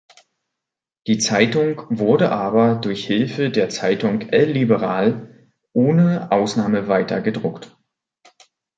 Die Zeitung wurde aber durch Hilfe der Zeitung El Liberal ohne Ausnahme weiter gedruckt.